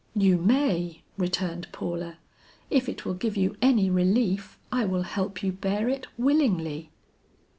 "You may," returned Paula. "If it will give you any relief I will help you bear it willingly."